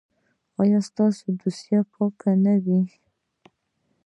ایا ستاسو دوسیه به پاکه نه وي؟